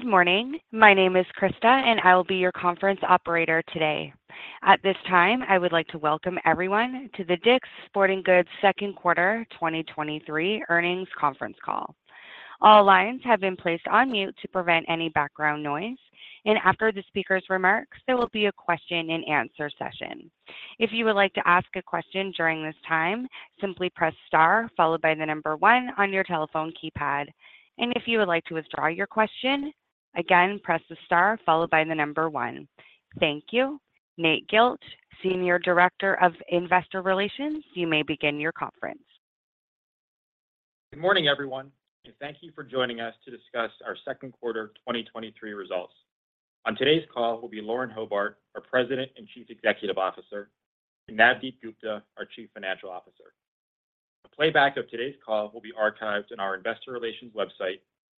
Good morning. My name is Krista, and I will be your conference operator today. At this time, I would like to welcome everyone to the DICK'S Sporting Goods Second Quarter 2023 Earnings Conference Call. All lines have been placed on mute to prevent any background noise, and after the speaker's remarks, there will be a question and answer session. If you would like to ask a question during this time, simply press star, followed by the number one on your telephone keypad. If you would like to withdraw your question, again, press the star followed by the number one. Thank you. Nate Gilch, Senior Director of Investor Relations, you may begin your conference. Good morning, everyone, thank you for joining us to discuss our Second Quarter 2023 Results. On today's call will be Lauren Hobart, our President and Chief Executive Officer, and Navdeep Gupta, our Chief Financial Officer. A playback of today's call will be archived in our investor relations website,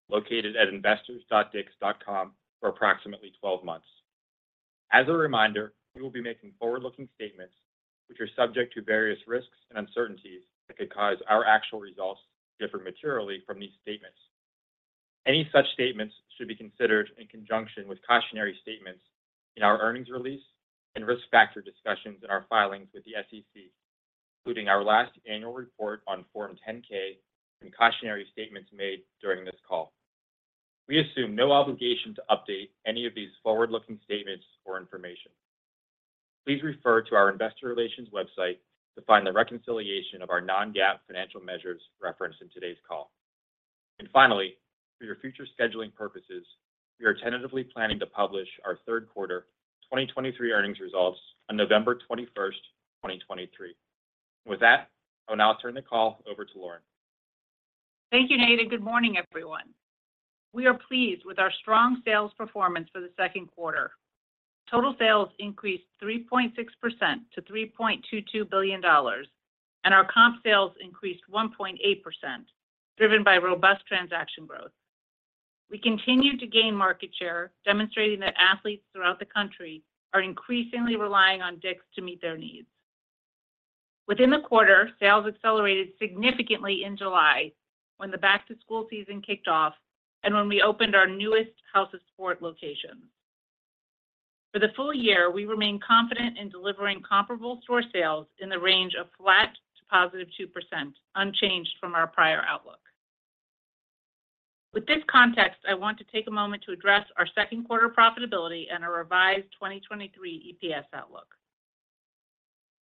located at investors.dicks.com for approximately 12 months. As a reminder, we will be making forward-looking statements, which are subject to various risks and uncertainties that could cause our actual results to differ materially from these statements. Any such statements should be considered in conjunction with cautionary statements in our earnings release and risk factor discussions in our filings with the SEC, including our last annual report on Form 10-K and cautionary statements made during this call. We assume no obligation to update any of these forward-looking statements or information. Please refer to our investor relations website to find the reconciliation of our non-GAAP financial measures referenced in today's call. Finally, for your future scheduling purposes, we are tentatively planning to publish our third quarter 2023 earnings results on November 21st, 2023. With that, I will now turn the call over to Lauren. Thank you, Nate, good morning, everyone. We are pleased with our strong sales performance for the second quarter. Total sales increased 3.6% to $3.22 billion, and our comp sales increased 1.8%, driven by robust transaction growth. We continue to gain market share, demonstrating that athletes throughout the country are increasingly relying on DICK'S to meet their needs. Within the quarter, sales accelerated significantly in July when the back-to-school season kicked off and when we opened our newest House of Sport location. For the full year, we remain confident in delivering comparable store sales in the range of flat to +2%, unchanged from our prior outlook. With this context, I want to take a moment to address our second quarter profitability and our revised 2023 EPS outlook.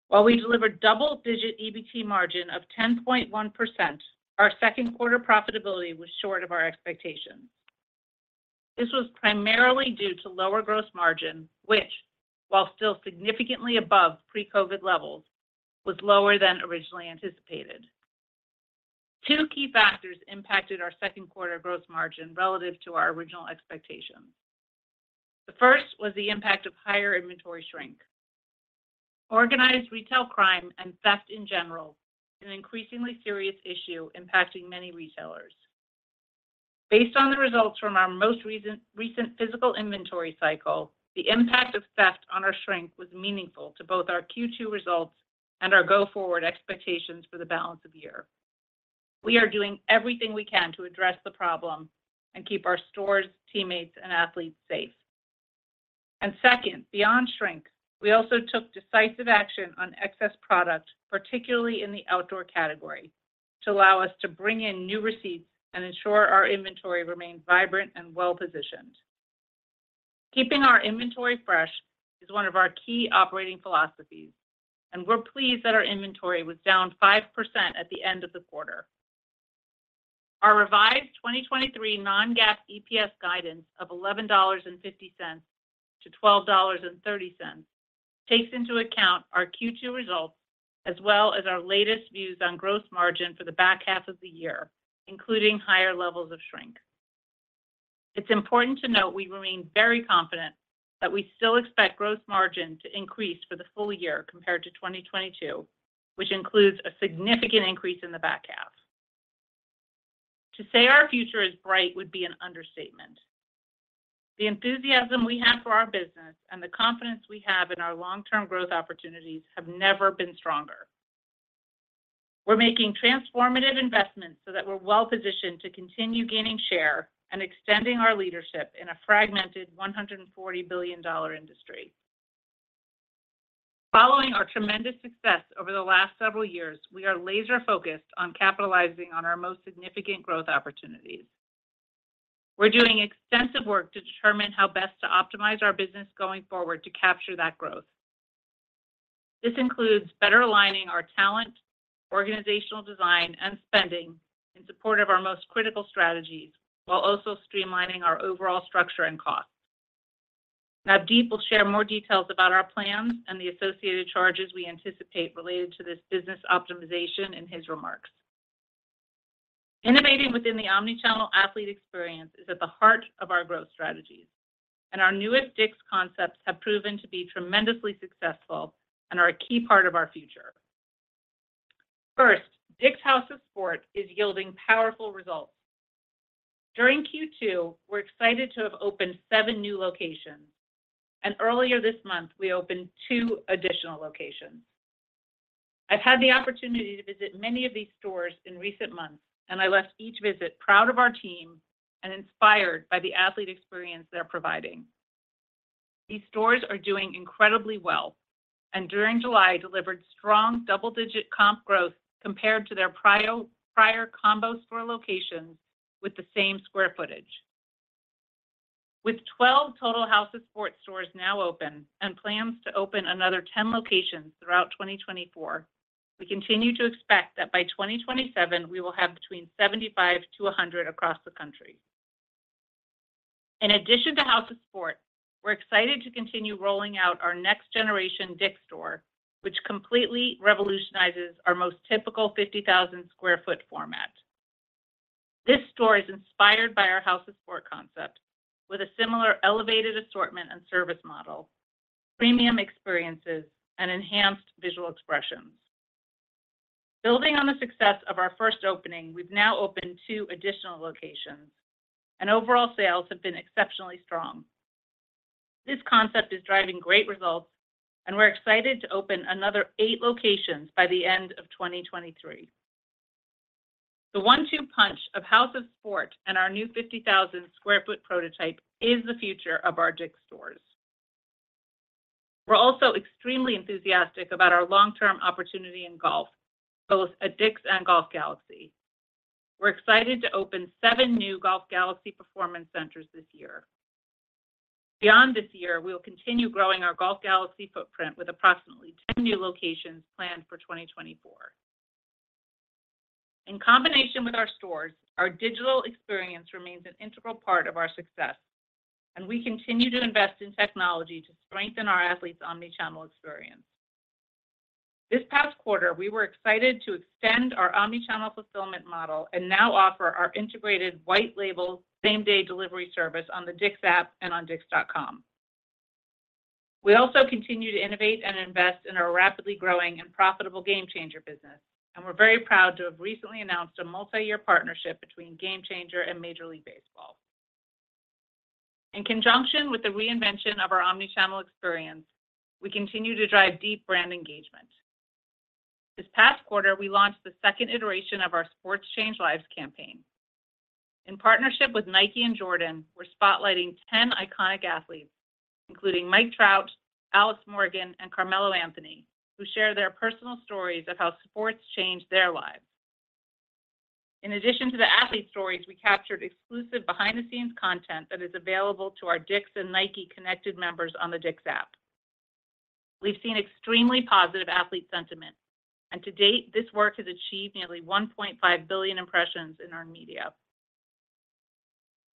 While we delivered double-digit EBT margin of 10.1%, our second quarter profitability was short of our expectations. This was primarily due to lower gross margin, which, while still significantly above pre-COVID levels, was lower than originally anticipated. Two key factors impacted our second quarter gross margin relative to our original expectations. The first was the impact of higher inventory shrink. organized retail crime and theft, in general, is an increasingly serious issue impacting many retailers. Based on the results from our most recent physical inventory cycle, the impact of theft on our shrink was meaningful to both our Q2 results and our go-forward expectations for the balance of the year. We are doing everything we can to address the problem and keep our stores, teammates, and athletes safe. Second, beyond shrink, we also took decisive action on excess product, particularly in the outdoor category, to allow us to bring in new receipts and ensure our inventory remains vibrant and well-positioned. Keeping our inventory fresh is one of our key operating philosophies, and we're pleased that our inventory was down 5% at the end of the quarter. Our revised 2023 non-GAAP EPS guidance of $11.50-$12.30 takes into account our Q2 results, as well as our latest views on gross margin for the back half of the year, including higher levels of shrink. It's important to note we remain very confident that we still expect gross margin to increase for the full year compared to 2022, which includes a significant increase in the back half. To say our future is bright would be an understatement. The enthusiasm we have for our business and the confidence we have in our long-term growth opportunities have never been stronger. We're making transformative investments so that we're well positioned to continue gaining share and extending our leadership in a fragmented $140 billion industry. Following our tremendous success over the last several years, we are laser-focused on capitalizing on our most significant growth opportunities. We're doing extensive work to determine how best to optimize our business going forward to capture that growth. This includes better aligning our talent, organizational design, and spending in support of our most critical strategies, while also streamlining our overall structure and costs. Navdeep will share more details about our plans and the associated charges we anticipate related to this business optimization in his remarks. Innovating within the omnichannel athlete experience is at the heart of our growth strategies, and our newest DICK'S concepts have proven to be tremendously successful and are a key part of our future. First, DICK'S House of Sport is yielding powerful results. During Q2, we're excited to have opened seven new locations, and earlier this month, we opened two additional locations. I've had the opportunity to visit many of these stores in recent months, and I left each visit proud of our team and inspired by the athlete experience they're providing. These stores are doing incredibly well, and during July, delivered strong double-digit comp growth compared to their prior combo store locations with the same square footage. With 12 total House of Sport stores now open and plans to open another 10 locations throughout 2024, we continue to expect that by 2027, we will have between 75-100 across the country. In addition to House of Sport, we're excited to continue rolling out our next-generation DICK'S store, which completely revolutionizes our most typical 50,000 sq ft format. This store is inspired by our House of Sport concept, with a similar elevated assortment and service model, premium experiences and enhanced visual expressions. Building on the success of our first opening, we've now opened two additional locations, and overall sales have been exceptionally strong. This concept is driving great results, and we're excited to open another eight locations by the end of 2023. The one-two punch of House of Sport and our new 50,000 square foot prototype is the future of our DICK'S stores. We're also extremely enthusiastic about our long-term opportunity in golf, both at DICK'S and Golf Galaxy. We're excited to open seven new Golf Galaxy Performance Center this year. Beyond this year, we will continue growing our Golf Galaxy footprint with approximately 10 new locations planned for 2024. In combination with our stores, our digital experience remains an integral part of our success, and we continue to invest in technology to strengthen our athletes' omnichannel experience. This past quarter, we were excited to extend our omnichannel fulfillment model and now offer our integrated white label same-day delivery service on the DICK'S app and on dicks.com. We also continue to innovate and invest in our rapidly growing and profitable GameChanger business, and we're very proud to have recently announced a multi-year partnership between GameChanger and Major League Baseball. In conjunction with the reinvention of our omnichannel experience, we continue to drive deep brand engagement. This past quarter, we launched the second iteration of our Sports Change Lives campaign. In partnership with Nike and Jordan, we're spotlighting 10 iconic athletes, including Mike Trout, Alex Morgan, and Carmelo Anthony, who share their personal stories of how sports changed their lives. In addition to the athlete stories, we captured exclusive behind-the-scenes content that is available to our DICK'S and Nike Connected members on the DICK'S app. We've seen extremely positive athlete sentiment, and to date, this work has achieved nearly 1.5 billion impressions in earned media.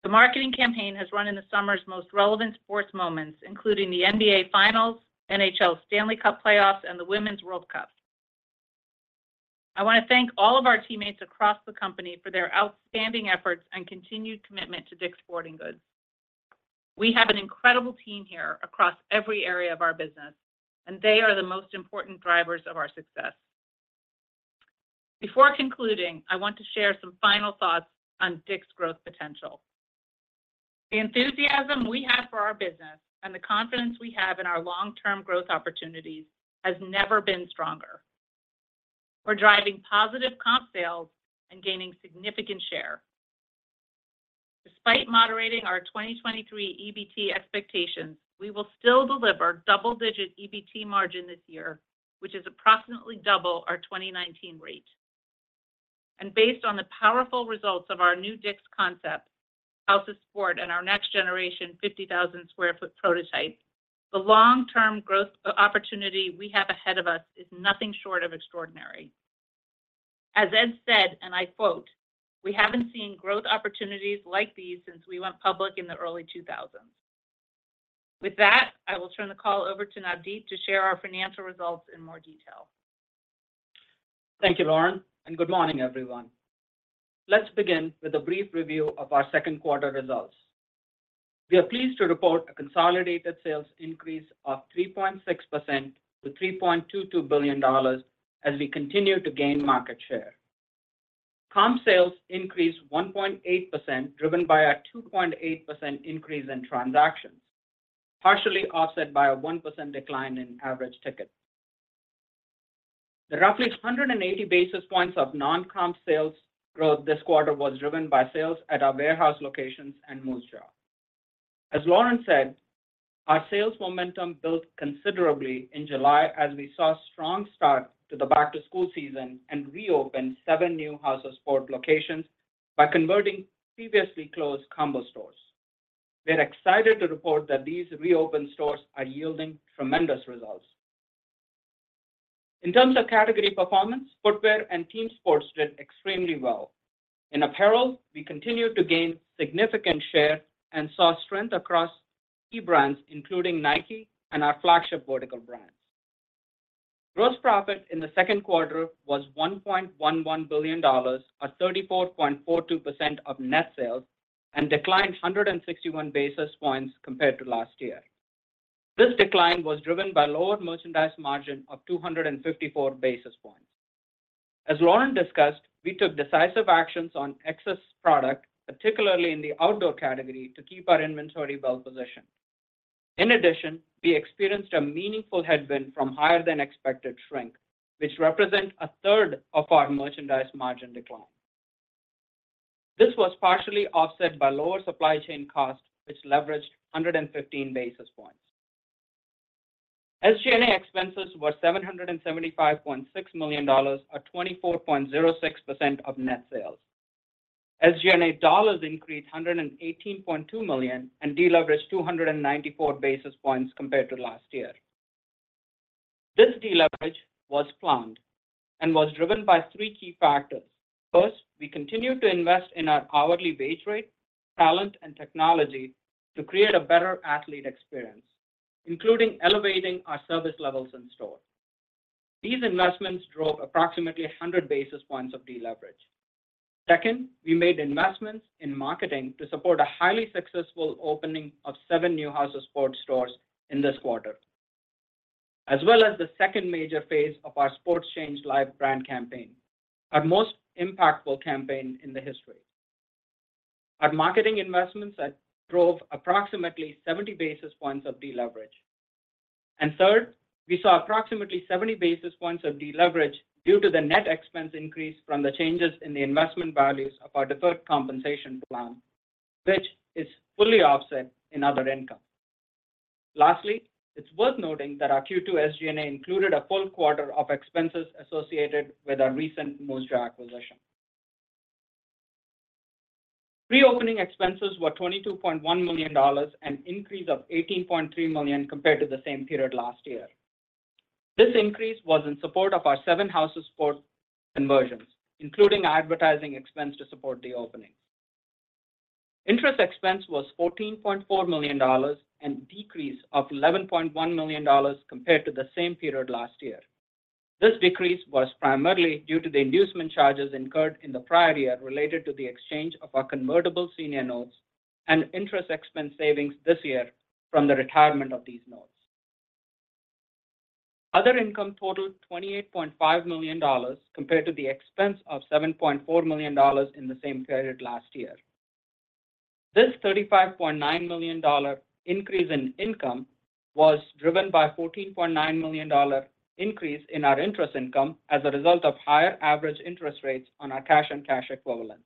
The marketing campaign has run in the summer's most relevant sports moments, including the NBA Finals, NHL Stanley Cup playoffs and the Women's World Cup. I wanna thank all of our teammates across the company for their outstanding efforts and continued commitment to DICK'S Sporting Goods. We have an incredible team here across every area of our business, and they are the most important drivers of our success. Before concluding, I want to share some final thoughts on DICK'S growth potential. The enthusiasm we have for our business and the confidence we have in our long-term growth opportunities has never been stronger. We're driving positive comp sales and gaining significant share. Despite moderating our 2023 EBT expectations, we will still deliver double-digit EBT margin this year, which is approximately double our 2019 rate. Based on the powerful results of our new DICK'S House of Sport and our next generation 50,000 square foot prototype, the long-term growth opportunity we have ahead of us is nothing short of extraordinary. As Ed said, and I quote, "We haven't seen growth opportunities like these since we went public in the early 2000s." With that, I will turn the call over to Navdeep to share our financial results in more detail. Thank you, Lauren, and good morning, everyone. Let's begin with a brief review of our second quarter results. We are pleased to report a consolidated sales increase of 3.6% to $3.22 billion as we continue to gain market share. Comp sales increased 1.8%, driven by a 2.8% increase in transactions, partially offset by a 1% decline in average ticket. The roughly 180 basis points of non-comp sales growth this quarter was driven by sales at our warehouse locations and Moosejaw. As Lauren said, our sales momentum built considerably in July as we saw a strong start to the back-to-school season and reopened seven new House of Sport locations by converting previously closed combo stores. We're excited to report that these reopened stores are yielding tremendous results. In terms of category performance, footwear and team sports did extremely well. In apparel, we continued to gain significant share and saw strength across key brands, including Nike and our flagship vertical brands. Gross profit in the second quarter was $1.11 billion, or 34.42% of net sales, and declined 161 basis points compared to last year. This decline was driven by lower merchandise margin of 254 basis points. As Lauren discussed, we took decisive actions on excess product, particularly in the outdoor category, to keep our inventory well-positioned. In addition, we experienced a meaningful headwind from higher than expected shrink, which represent a third of our merchandise margin decline. This was partially offset by lower supply chain costs, which leveraged 115 basis points. SG&A expenses were $775.6 million, or 24.06% of net sales. SG&A dollars increased $118.2 million and deleveraged 294 basis points compared to last year. This deleverage was planned and was driven by three key factors. First, we continued to invest in our hourly wage rate, talent, and technology to create a better athlete experience, including elevating our service levels in store. These investments drove approximately 100 basis points of deleverage. Second, we made investments in marketing to support a highly successful opening of seven new DICK'S House of Sport stores in this quarter, as well as the second major phase of our Sports Change Lives brand campaign, our most impactful campaign in the history. Our marketing investments that drove approximately 70 basis points of deleverage. Third, we saw approximately 70 basis points of deleverage due to the net expense increase from the changes in the investment values of our deferred compensation plan, which is fully offset in other income. Lastly, it's worth noting that our Q2 SG&A included a full quarter of expenses associated with our recent Moosejaw acquisition. Reopening expenses were $22.1 million, an increase of $18.3 million compared to the same period last year. This increase was in support of our seven House of Sport conversions, including advertising expense to support the openings. Interest expense was $14.4 million, an decrease of $11.1 million compared to the same period last year. This decrease was primarily due to the inducement charges incurred in the prior year related to the exchange of our convertible senior notes and interest expense savings this year from the retirement of these notes. Other income totaled $28.5 million compared to the expense of $7.4 million in the same period last year. This $35.9 million increase in income was driven by $14.9 million increase in our interest income as a result of higher average interest rates on our cash and cash equivalents.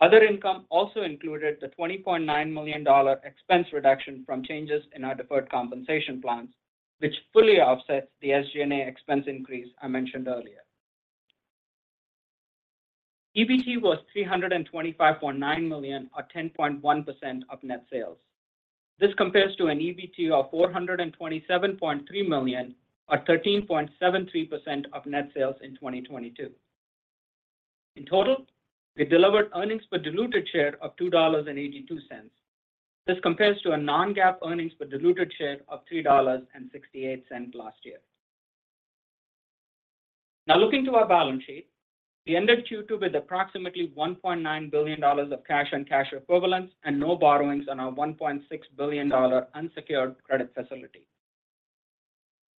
Other income also included the $20.9 million expense reduction from changes in our deferred compensation plans, which fully offsets the SG&A expense increase I mentioned earlier. EBT was $325.9 million, or 10.1% of net sales. This compares to an EBT of $427.3 million, or 13.73% of net sales in 2022. In total, we delivered earnings per diluted share of $2.82. This compares to a non-GAAP earnings per diluted share of $3.68 last year. Now, looking to our balance sheet, we ended Q2 with approximately $1.9 billion of cash and cash equivalents, and no borrowings on our $1.6 billion unsecured credit facility.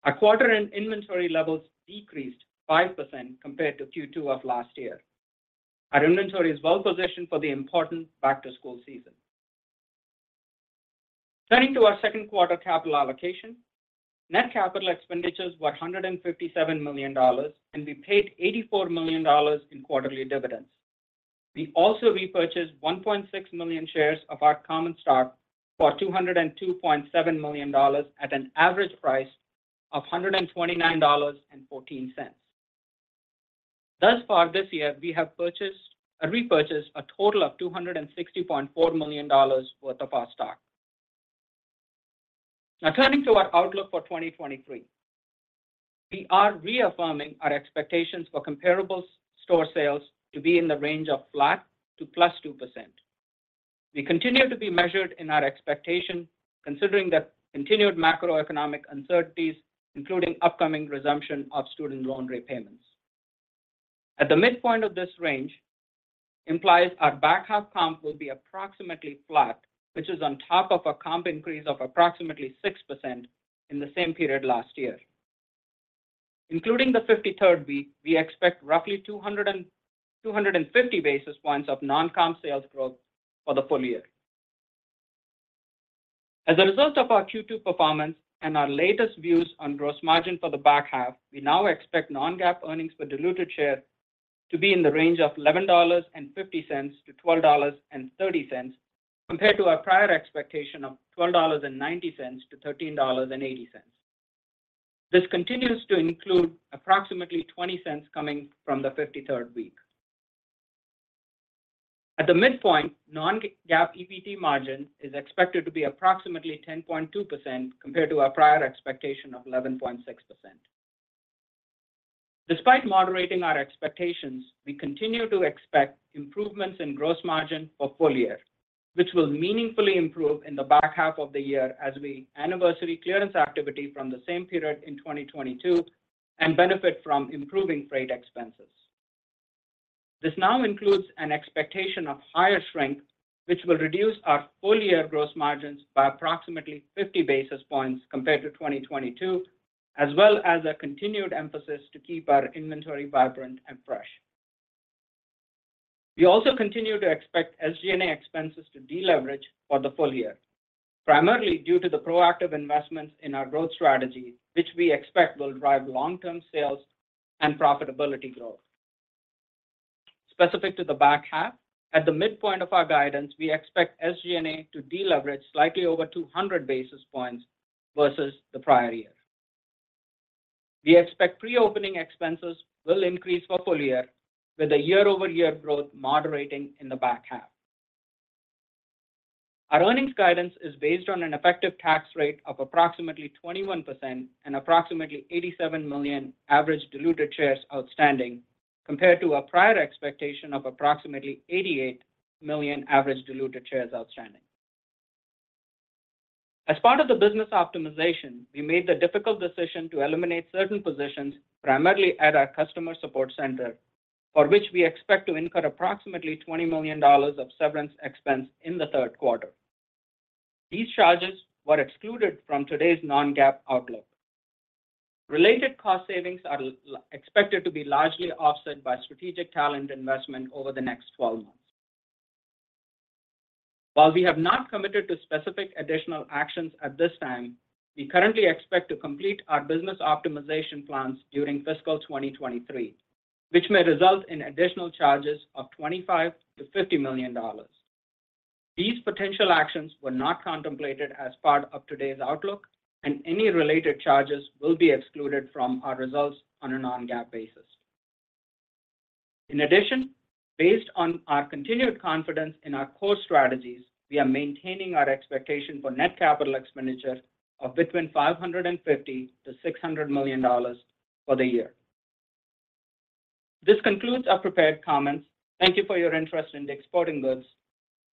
Our quarter and inventory levels decreased 5% compared to Q2 of last year. Our inventory is well positioned for the important back-to-school season. Turning to our second quarter capital allocation, net capital expenditures were $157 million, and we paid $84 million in quarterly dividends. We also repurchased 1.6 million shares of our common stock for $202.7 million, at an average price of $129.14. Thus far this year, we have purchased-- or repurchased a total of $260.4 million worth of our stock. Turning to our outlook for 2023, we are reaffirming our expectations for comparable store sales to be in the range of flat to +2%. We continue to be measured in our expectation, considering the continued macroeconomic uncertainties, including upcoming resumption of student loan repayments. At the midpoint of this range implies our back half comp will be approximately flat, which is on top of a comp increase of approximately 6% in the same period last year. Including the 53rd week, we expect roughly 250 basis points of non-comp sales growth for the full year. As a result of our Q2 performance and our latest views on gross margin for the back half, we now expect non-GAAP earnings per diluted share to be in the range of $11.50-$12.30, compared to our prior expectation of $12.90-$13.80. This continues to include approximately $0.20 coming from the 53rd week. At the midpoint, non-GAAP EBT margin is expected to be approximately 10.2%, compared to our prior expectation of 11.6%. Despite moderating our expectations, we continue to expect improvements in gross margin for full year, which will meaningfully improve in the back half of the year as we anniversary clearance activity from the same period in 2022 and benefit from improving freight expenses. This now includes an expectation of higher shrink, which will reduce our full-year gross margins by approximately 50 basis points compared to 2022, as well as a continued emphasis to keep our inventory vibrant and fresh. We also continue to expect SG&A expenses to deleverage for the full year, primarily due to the proactive investments in our growth strategy, which we expect will drive long-term sales and profitability growth. Specific to the back half, at the midpoint of our guidance, we expect SG&A to deleverage slightly over 200 basis points versus the prior year. We expect pre-opening expenses will increase for full year, with a year-over-year growth moderating in the back half. Our earnings guidance is based on an effective tax rate of approximately 21% and approximately 87 million average diluted shares outstanding, compared to our prior expectation of approximately 88 million average diluted shares outstanding. As part of the business optimization, we made the difficult decision to eliminate certain positions, primarily at our customer support center, for which we expect to incur approximately $20 million of severance expense in the third quarter. These charges were excluded from today's non-GAAP outlook. Related cost savings are expected to be largely offset by strategic talent investment over the next 12 months. While we have not committed to specific additional actions at this time, we currently expect to complete our business optimization plans during fiscal 2023, which may result in additional charges of $25 million-$50 million. These potential actions were not contemplated as part of today's outlook, and any related charges will be excluded from our results on a non-GAAP basis. In addition, based on our continued confidence in our core strategies, we are maintaining our expectation for net CapEx of between $550 million-$600 million for the year. This concludes our prepared comments. Thank you for your interest in DICK'S Sporting Goods.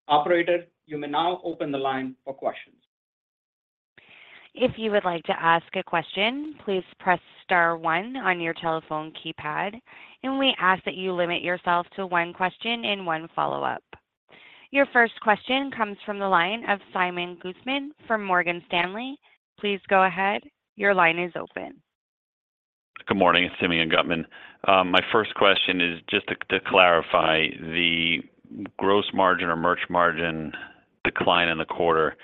Operator, you may now open the line for questions. If you would like to ask a question, please press star one on your telephone keypad. We ask that you limit yourself to one question and one follow-up. Your first question comes from the line of Simeon Gutman from Morgan Stanley. Please go ahead. Your line is open. Good morning, it's Simeon Gutman. My first question is just to, to clarify the gross margin or merch margin decline in the quarter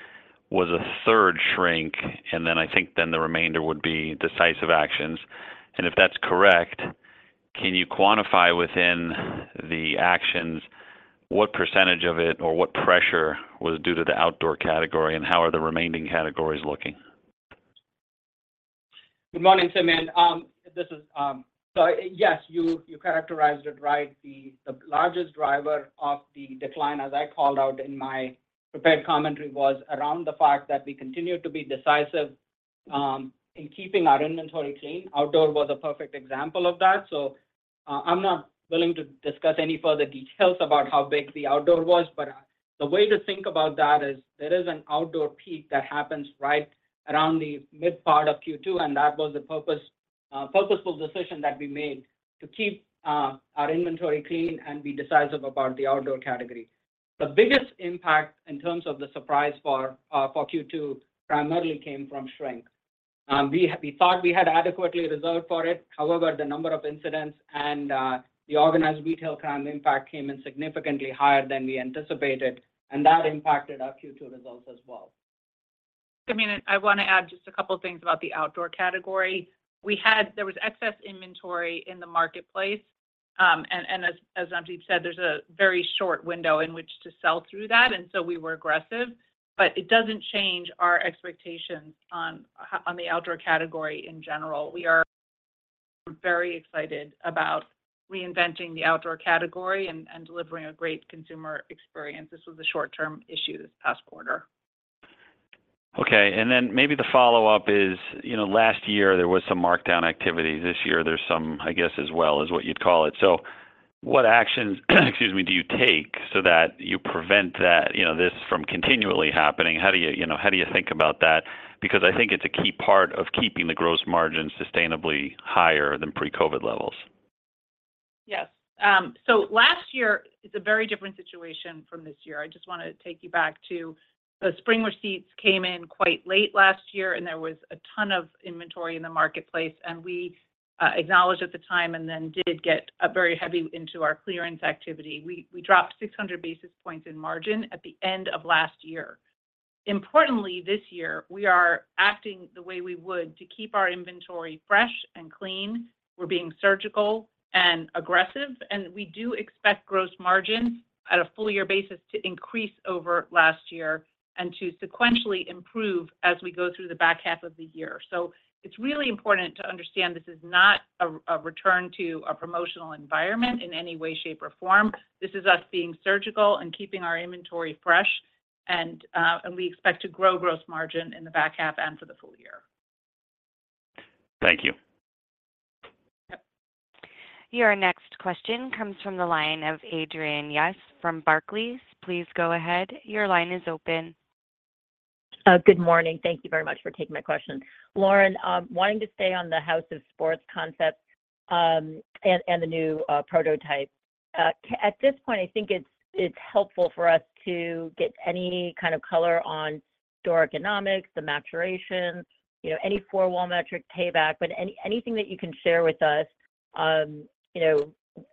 was a third shrink, and then I think then the remainder would be decisive actions. If that's correct, can you quantify within the actions, what % of it or what pressure was due to the outdoor category, and how are the remaining categories looking? Good morning, Simeon. This is. Yes, you, you characterized it right. The, the largest driver of the decline, as I called out in my prepared commentary, was around the fact that we continued to be decisive in keeping our inventory clean. Outdoor was a perfect example of that. I'm not willing to discuss any further details about how big the outdoor was, but the way to think about that is there is an outdoor peak that happens right around the mid part of Q2, and that was a purpose-- purposeful decision that we made to keep our inventory clean and be decisive about the outdoor category. The biggest impact in terms of the surprise for Q2 primarily came from shrink. We, we thought we had adequately reserved for it. However, the number of incidents and, the organized retail crime impact came in significantly higher than we anticipated, and that impacted our Q2 results as well. Simeon, I wanna add just a couple of things about the outdoor category. There was excess inventory in the marketplace, and as Navdeep said, there's a very short window in which to sell through that. We were aggressive. It doesn't change our expectations on the outdoor category in general. We are very excited about reinventing the outdoor category and delivering a great consumer experience. This was a short-term issue this past quarter. Okay, maybe the follow-up is, you know, last year there was some markdown activity. This year, there's some, I guess, as well, is what you'd call it. What actions, excuse me, do you take so that you prevent that, you know, this from continually happening? How do you, you know, how do you think about that? I think it's a key part of keeping the gross margin sustainably higher than pre-COVID levels. Yes. Last year is a very different situation from this year. I just wanna take you back to the spring receipts came in quite late last year, there was a ton of inventory in the marketplace. We acknowledged at the time and then did get a very heavy into our clearance activity. We dropped 600 basis points in margin at the end of last year. Importantly, this year, we are acting the way we would to keep our inventory fresh and clean. We're being surgical and aggressive, we do expect gross margins at a full year basis to increase over last year and to sequentially improve as we go through the back half of the year. It's really important to understand this is not a return to a promotional environment in any way, shape, or form. This is us being surgical and keeping our inventory fresh, and we expect to grow gross margin in the back half and for the full year. Thank you. Yep. Your next question comes from the line of Adrienne Yih from Barclays. Please go ahead. Your line is open. Good morning. Thank you very much for taking my question. Lauren, wanting to stay on the DICK'S House of Sport concept, and the new prototype. At this point, I think it's helpful for us to get any kind of color on store economics, the maturation, you know, any four-wall metric payback, but anything that you can share with us, you know,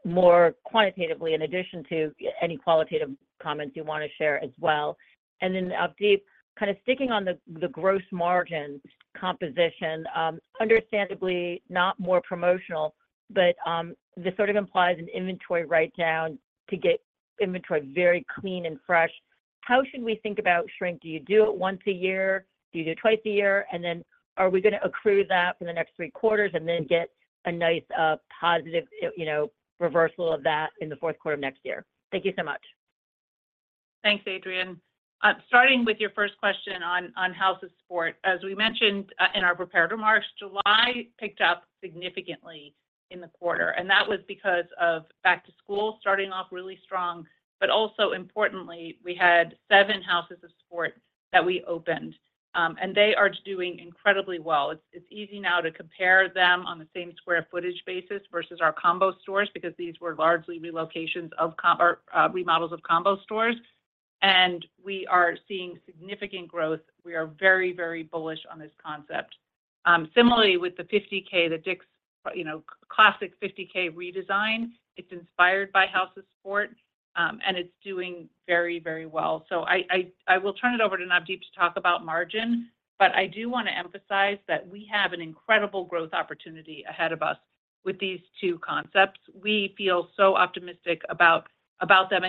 more quantitatively in addition to any qualitative comments you wanna share as well. Then, Navdeep, kind of sticking on the gross margin composition, understandably not more promotional, but this sort of implies an inventory write-down to get inventory very clean and fresh. How should we think about shrink? Do you do it once a year? Do you do it twice a year? Then are we gonna accrue that for the next three quarters, and then get a nice, positive, you know, reversal of that in the fourth quarter of next year? Thank you so much. Thanks, Adrienne. Starting with your first question on, on House of Sport, as we mentioned, in our prepared remarks, July picked up significantly in the quarter, and that was because of back to school starting off really strong. Also importantly, we had seven Houses of Sport that we opened, and they are doing incredibly well. It's, it's easy now to compare them on the same square footage basis versus our combo stores, because these were largely relocations of or remodels of combo stores, and we are seeing significant growth. We are very, very bullish on this concept. Similarly, with the 50K, the DICK'S, you know, classic 50K redesign, it's inspired by House of Sport, and it's doing very, very well. I will turn it over to Navdeep to talk about margin. I do wanna emphasize that we have an incredible growth opportunity ahead of us with these two concepts. We feel so optimistic about, about them.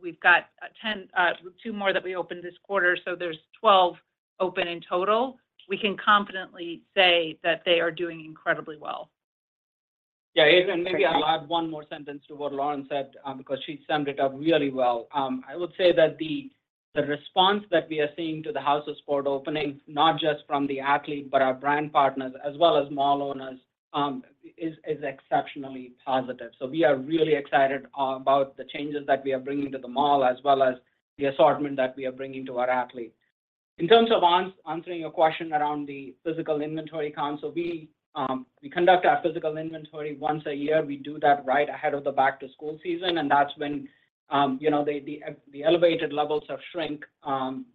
We've got 10, two more that we opened this quarter, so there's 12 open in total. We can confidently say that they are doing incredibly well. Yeah, Adrienne, maybe I'll add one more sentence to what Lauren said, because she summed it up really well. I would say that the, the response that we are seeing to the DICK'S House of Sport opening, not just from the athlete, but our brand partners, as well as mall owners, is exceptionally positive. We are really excited about the changes that we are bringing to the mall, as well as the assortment that we are bringing to our athlete. In terms of answering your question around the physical inventory count, we conduct our physical inventory once a year. We do that right ahead of the back-to-school season, and that's when, you know, the, the, the elevated levels of shrink,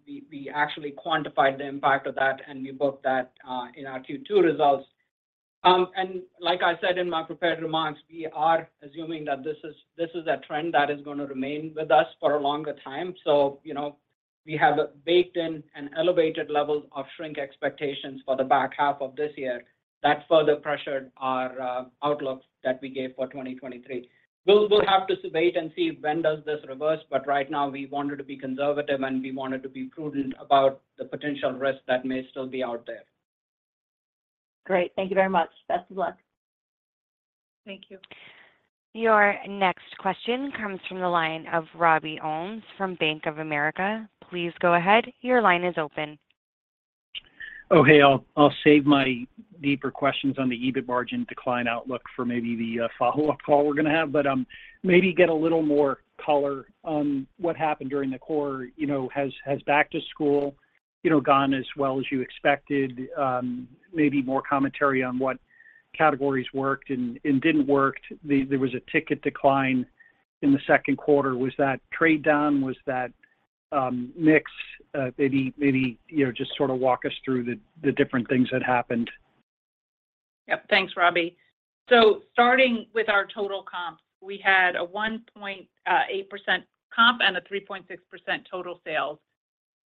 we, we actually quantified the impact of that, and we booked that in our Q2 results. Like I said in my prepared remarks, we are assuming that this is, this is a trend that is gonna remain with us for a longer time. You know, we have baked in an elevated level of shrink expectations for the back half of this year. That further pressured our outlook that we gave for 2023. We'll, we'll have to wait and see when does this reverse, but right now we wanted to be conservative, and we wanted to be prudent about the potential risk that may still be out there. Great. Thank you very much. Best of luck. Thank you. Your next question comes from the line of Robert Ohmes from Bank of America. Please go ahead. Your line is open. Oh, hey, I'll, I'll save my deeper questions on the EBIT margin decline outlook for maybe the follow-up call we're gonna have. Maybe get a little more color on what happened during the quarter. You know, has, has back to school, you know, gone as well as you expected? Maybe more commentary on what categories worked and, and didn't work. There, there was a ticket decline in the second quarter. Was that trade down? Was that mix? Maybe, maybe, you know, just sort of walk us through the different things that happened. Yep. Thanks, Robbie Ohmes. Starting with our total comp, we had a 1.8% comp and a 3.6% total sales.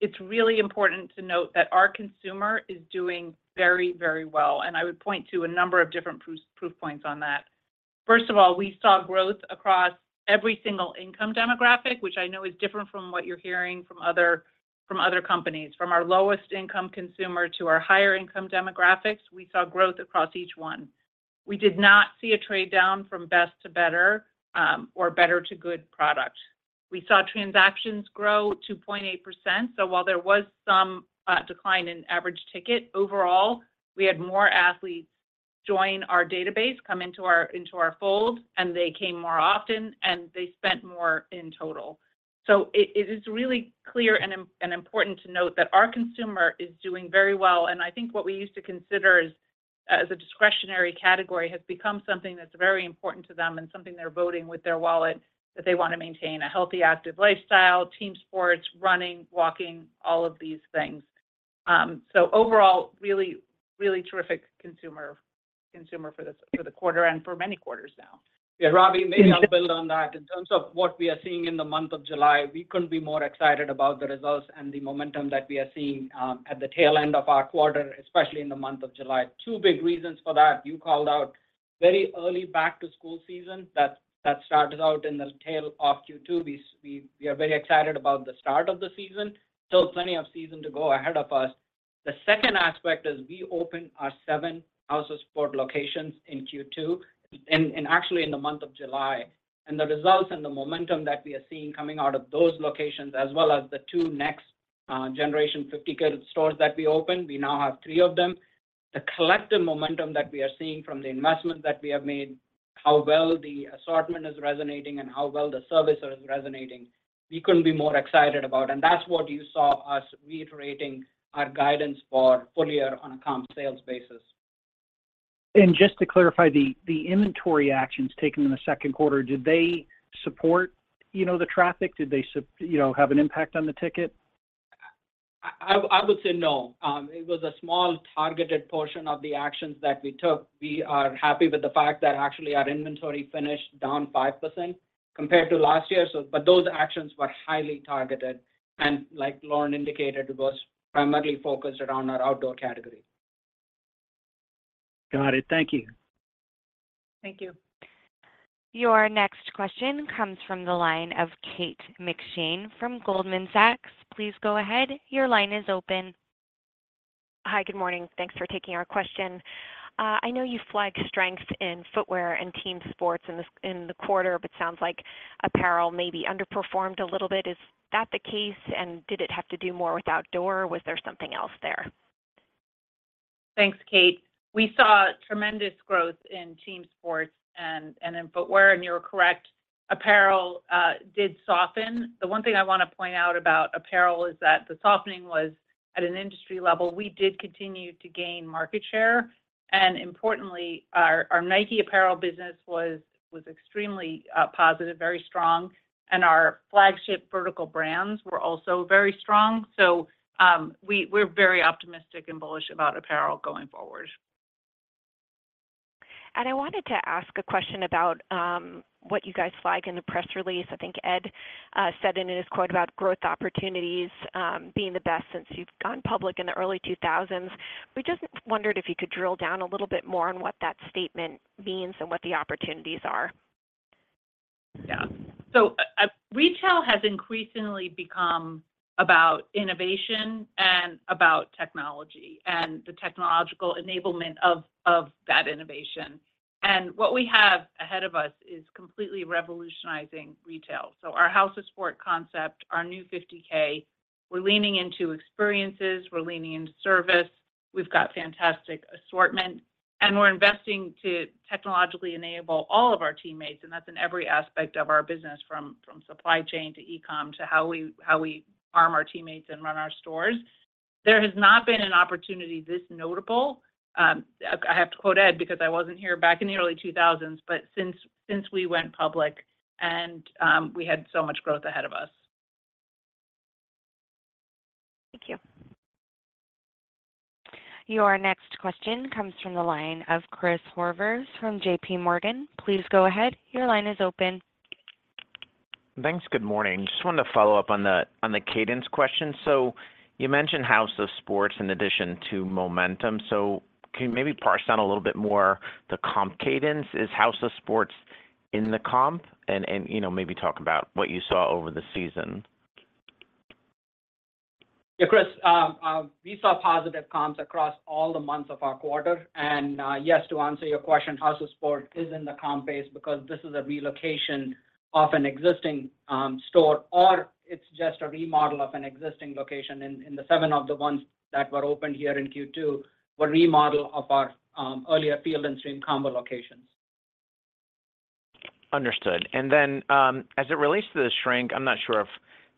It's really important to note that our consumer is doing very, very well, and I would point to a number of different proof points on that. First of all, we saw growth across every single income demographic, which I know is different from what you're hearing from other, from other companies. From our lowest income consumer to our higher income demographics, we saw growth across each one. We did not see a trade-down from best to better, or better to good product. We saw transactions grow 2.8%, so while there was some decline in average ticket, overall, we had more athletes join our database, come into our, into our fold, and they came more often, and they spent more in total. It, it is really clear and important to note that our consumer is doing very well. I think what we used to consider as, as a discretionary category has become something that's very important to them and something they're voting with their wallet, that they wanna maintain a healthy, active lifestyle, team sports, running, walking, all of these things. Overall, really, really terrific consumer, consumer for this- for the quarter and for many quarters now. Yeah, Robbie, maybe I'll build on that. In terms of what we are seeing in the month of July, we couldn't be more excited about the results and the momentum that we are seeing at the tail end of our quarter, especially in the month of July. Two big reasons for that, you called out very early back to school season, that, that started out in the tail of Q2. We are very excited about the start of the season, still plenty of season to go ahead of us. The second aspect is we opened our seven House of Sport locations in Q2, and actually in the month of July. The results and the momentum that we are seeing coming out of those locations, as well as the new next generation 50K stores that we opened, we now have three of them. The collective momentum that we are seeing from the investment that we have made, how well the assortment is resonating and how well the service is resonating, we couldn't be more excited about, and that's what you saw us reiterating our guidance for full year on a comp sales basis. Just to clarify, the inventory actions taken in the second quarter, did they support, you know, the traffic? Did they you know, have an impact on the ticket? I would say no. It was a small, targeted portion of the actions that we took. We are happy with the fact that actually our inventory finished down 5% compared to last year. Those actions were highly targeted, and like Lauren indicated, it was primarily focused around our outdoor category. Got it. Thank you. Thank you. Your next question comes from the line of Kate McShane from Goldman Sachs. Please go ahead. Your line is open. Hi, good morning. Thanks for taking our question. I know you flagged strength in footwear and team sports in the quarter, but sounds like apparel maybe underperformed a little bit. Is that the case, and did it have to do more with outdoor, or was there something else there? Thanks, Kate. We saw tremendous growth in team sports and, and in footwear, and you're correct, apparel did soften. The one thing I want to point out about apparel is that the softening was at an industry level. We did continue to gain market share, and importantly, our, our Nike apparel business was, was extremely positive, very strong, and our flagship vertical brands were also very strong. We're very optimistic and bullish about apparel going forward. I wanted to ask a question about what you guys flag in the press release. I think Ed said in his quote about growth opportunities, being the best since you've gone public in the early 2000s. We just wondered if you could drill down a little bit more on what that statement means and what the opportunities are. Yeah. Retail has increasingly become about innovation and about technology, and the technological enablement of that innovation. What we have ahead of us is completely revolutionizing retail. Our House of Sport concept, our new 50K, we're leaning into experiences, we're leaning into service, we've got fantastic assortment, and we're investing to technologically enable all of our teammates, and that's in every aspect of our business, from supply chain to e-com, to how we arm our teammates and run our stores. There has not been an opportunity this notable, I have to quote Ed, because I wasn't here back in the early 2000s, but since we went public and we had so much growth ahead of us. Thank you. Your next question comes from the line of Christopher Horvers from JPMorgan. Please go ahead. Your line is open. Thanks. Good morning. Just wanted to follow up on the, on the cadence question. You mentioned House of Sport in addition to momentum, so can you maybe parse out a little bit more the comp cadence? Is House of Sport in the comp? You know, maybe talk about what you saw over the season. Yeah, Chris, we saw positive comps across all the months of our quarter. Yes, to answer your question, House of Sport is in the comp base because this is a relocation of an existing store, or it's just a remodel of an existing location. The seven of the ones that were opened here in Q2, were remodel of our earlier Field & Stream combo locations. Understood. Then, as it relates to the shrink, I'm not sure if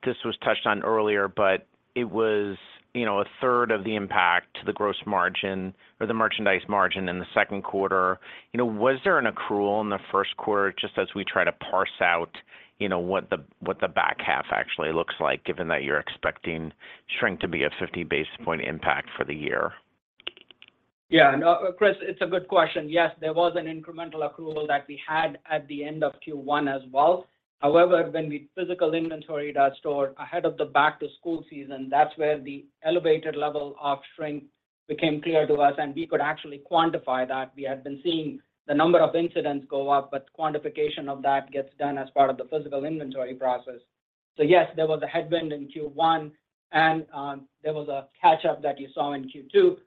this was touched on earlier, but it was, you know, a third of the impact to the gross margin or the merchandise margin in the second quarter. You know, was there an accrual in the first quarter just as we try to parse out, you know, what the, what the back half actually looks like, given that you're expecting shrink to be a 50 basis point impact for the year? Yeah. No, Chris, it's a good question. Yes, there was an incremental accrual that we had at the end of Q1 as well. However, when we physical inventory that store ahead of the back-to-school season, that's where the elevated level of shrink became clear to us, and we could actually quantify that. We had been seeing the number of incidents go up, but quantification of that gets done as part of the physical inventory process. Yes, there was a headwind in Q1, and there was a catch up that you saw in Q2.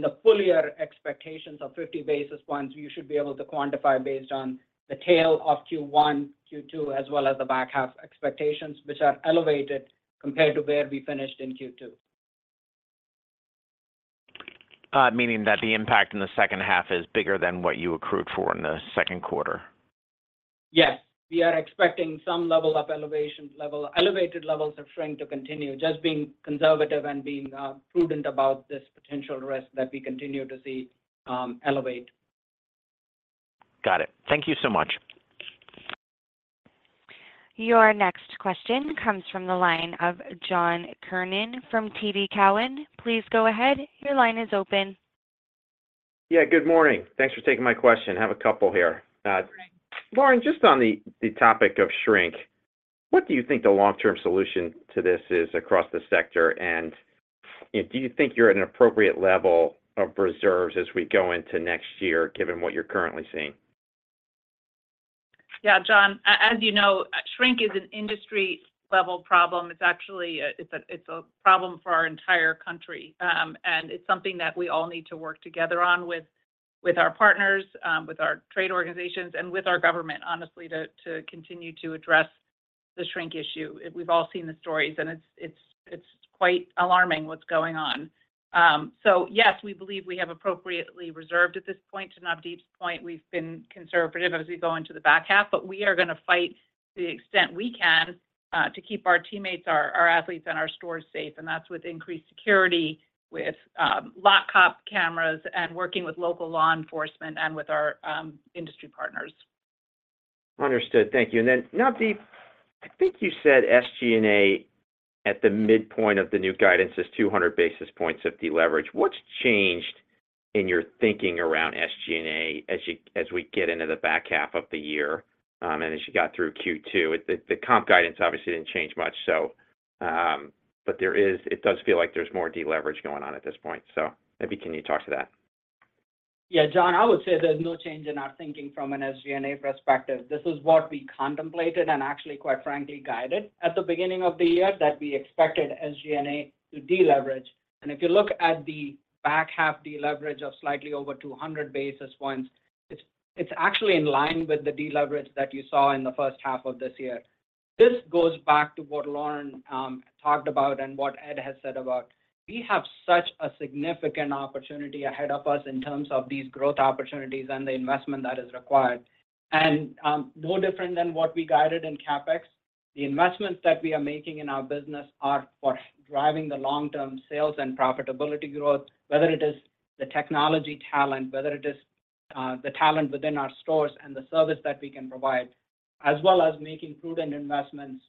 The fuller expectations of 50 basis points, you should be able to quantify based on the tail of Q1, Q2, as well as the back half expectations, which are elevated compared to where we finished in Q2. Meaning that the impact in the second-half is bigger than what you accrued for in the second quarter? Yes. We are expecting some level of elevation elevated levels of shrink to continue, just being conservative and prudent about this potential risk that we continue to see elevate. Got it. Thank you so much. Your next question comes from the line of John Kernan from TD Cowen. Please go ahead. Your line is open. Yeah, good morning. Thanks for taking my question. I have a couple here. Lauren, just on the, the topic of shrink, what do you think the long-term solution to this is across the sector? Do you think you're at an appropriate level of reserves as we go into next year, given what you're currently seeing? Yeah, John, as you know, shrink is an industry-level problem. It's actually a problem for our entire country. And it's something that we all need to work together on with our partners, with our trade organizations, and with our government, honestly, to continue to address the shrink issue. We've all seen the stories, and it's quite alarming what's going on. Yes, we believe we have appropriately reserved at this point. To Navdeep's point, we've been conservative as we go into the back half, but we are gonna fight to the extent we can to keep our teammates, our athletes, and our stores safe, and that's with increased security, with Lot Cop cameras and working with local law enforcement and with our industry partners. Understood. Thank you. Navdeep, I think you said SG&A at the midpoint of the new guidance is 200 basis points of deleverage. What's changed in your thinking around SG&A as we get into the back half of the year and as you got through Q2? Comp guidance obviously didn't change much, so it does feel like there's more deleverage going on at this point. Maybe can you talk to that? Yeah, John, I would say there's no change in our thinking from an SG&A perspective. This is what we contemplated and actually, quite frankly, guided at the beginning of the year, that we expected SG&A to deleverage. If you look at the back half deleverage of slightly over 200 basis points, it's, it's actually in line with the deleverage that you saw in the first half of this year. This goes back to what Lauren talked about and what Ed has said about. We have such a significant opportunity ahead of us in terms of these growth opportunities and the investment that is required. No different than what we guided in CapEx. The investments that we are making in our business are for driving the long-term sales and profitability growth. Whether it is the technology talent, whether it is the talent within our stores and the service that we can provide, as well as making prudent investments,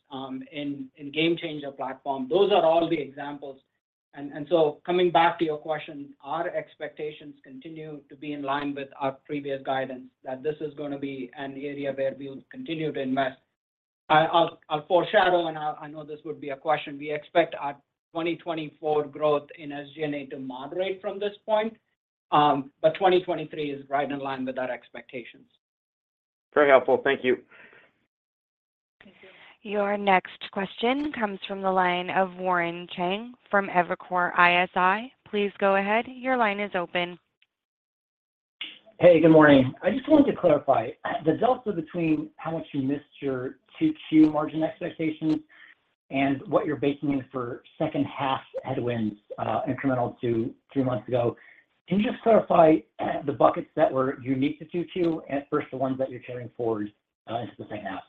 in, in GameChanger platform. Those are all the examples. So coming back to your question, our expectations continue to be in line with our previous guidance, that this is gonna be an area where we'll continue to invest. I, I'll, I'll foreshadow, and I, I know this would be a question. We expect our 2024 growth in SG&A to moderate from this point, but 2023 is right in line with our expectations. Very helpful. Thank you. Thank you. Your next question comes from the line of Warren Cheng from Evercore ISI. Please go ahead. Your line is open. Hey, good morning. I just wanted to clarify the delta between how much you missed your 2Q margin expectations and what you're baking in for second-half headwinds, incremental to three months ago. Can you just clarify, the buckets that were unique to 2Q, and first, the ones that you're carrying forward into the second-half?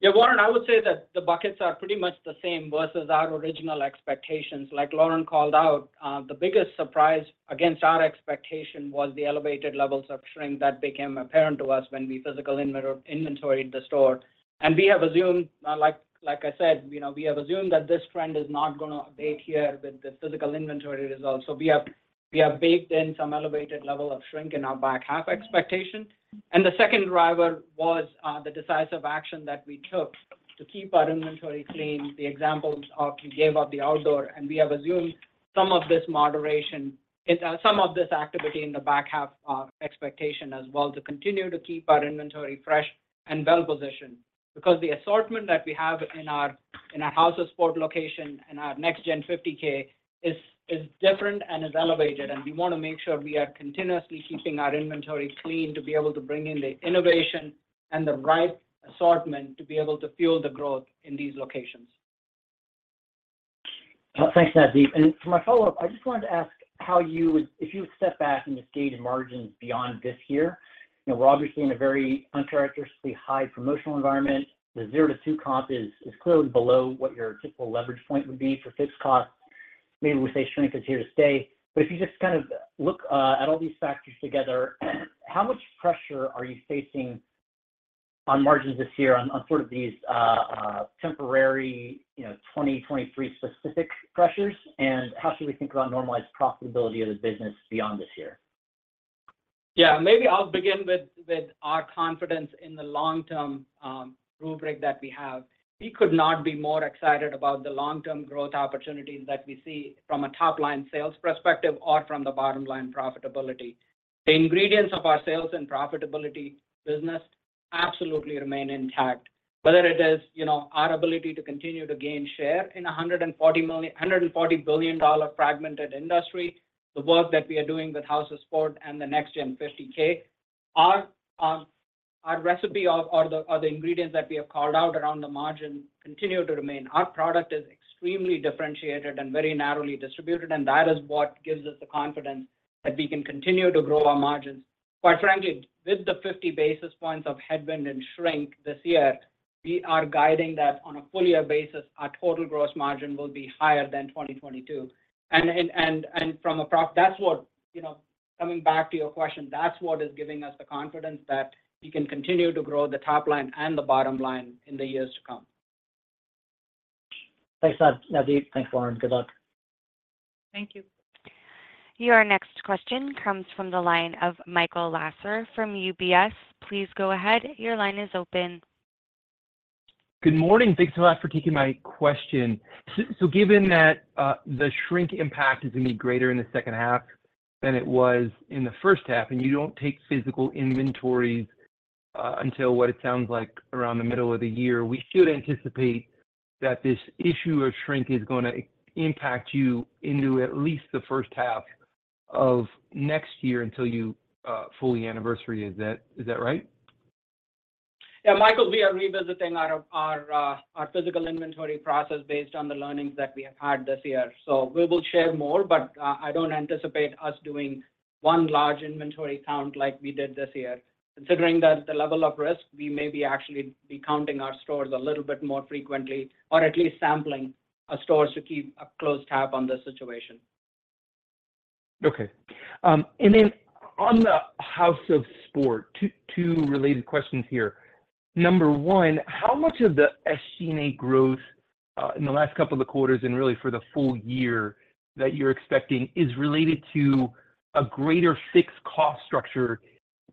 Yeah, Warren, I would say that the buckets are pretty much the same versus our original expectations. Like Lauren called out, the biggest surprise against our expectation was the elevated levels of shrink that became apparent to us when we physically inventoried the store. We have assumed, like I said, you know, we have assumed that this trend is not gonna abate here with the physical inventory results. We have baked in some elevated level of shrink in our back half expectation. The second driver was the decisive action that we took to keep our inventory clean, the examples we gave of the outdoor, and we have assumed some of this moderation. Some of this activity in the back half expectation as well, to continue to keep our inventory fresh and well-positioned. The assortment that we have in our, in our House of Sport location and our next-generation 50,000 is, is different and is elevated, and we wanna make sure we are continuously keeping our inventory clean to be able to bring in the innovation and the right assortment to be able to fuel the growth in these locations. Thanks, Navdeep. For my follow-up, I just wanted to ask how you would-- if you would step back and just gauge in margins beyond this year. You know, we're obviously in a very uncharacteristically high promotional environment. The zero-two comp is, is clearly below what your typical leverage point would be for fixed costs. Maybe we say shrink is here to stay. But if you just kind of look at all these factors together, how much pressure are you facing on margins this year on, on sort of these, temporary, you know, 2023 specific pressures? How should we think about normalized profitability of the business beyond this year? Yeah, maybe I'll begin with, with our confidence in the long-term rubric that we have. We could not be more excited about the long-term growth opportunities that we see from a top-line sales perspective or from the bottom-line profitability. The ingredients of our sales and profitability business absolutely remain intact. Whether it is, you know, our ability to continue to gain share in a $140 billion fragmented industry, the work that we are doing with House of Sport and the next gen 50,000, our recipe or, or the, or the ingredients that we have called out around the margin continue to remain. Our product is extremely differentiated and very narrowly distributed, and that is what gives us the confidence that we can continue to grow our margins. Quite frankly, with the 50 basis points of headwind and shrink this year, we are guiding that on a full year basis, our total gross margin will be higher than 2022. That's what, you know, coming back to your question, that's what is giving us the confidence that we can continue to grow the top line and the bottom line in the years to come. Thanks, Nav, Navdeep. Thanks, Lauren. Good luck. Thank you. Your next question comes from the line of Michael Lasser from UBS. Please go ahead. Your line is open. Good morning. Thanks a lot for taking my question. Given that the shrink impact is going to be greater in the second-half than it was in the first half, and you don't take physical inventories, until what it sounds like around the middle of the year, we should anticipate that this issue of shrink is gonna impact you into at least the first half of next year until you fully anniversary. Is that, is that right? Yeah, Michael, we are revisiting our, our, our physical inventory process based on the learnings that we have had this year. We will share more, but, I don't anticipate us doing one large inventory count like we did this year. Considering the, the level of risk, we may be actually be counting our stores a little bit more frequently or at least sampling our stores to keep a close tab on the situation. Okay. Then on the House of Sport, two, two related questions here. Number one, how much of the SG&A growth in the last couple of quarters and really for the full year that you're expecting, is related to a greater fixed cost structure,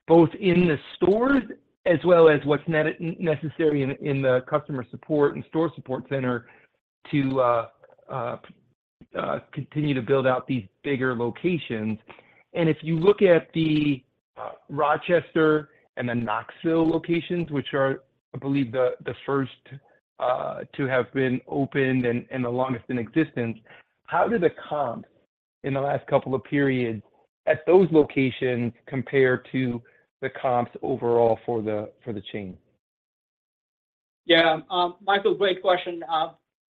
both in the stores as well as what's necessary in the customer support and store support center to continue to build out these bigger locations? If you look at the Rochester and the Knoxville locations, which are, I believe, the first to have been opened and the longest in existence, how do the comps in the last couple of periods at those locations compare to the comps overall for the chain? Yeah. Michael, great question.